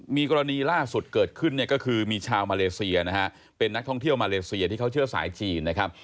มีกรณีล่าสุดเกิดขึ้นเนี่ยก็คือมีชาวมาเลเซียนะฮะเป็นนักท่องเที่ยวมาเลเซียที่เขาเชื่อสายจีนนะครับ